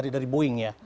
dari boeing ya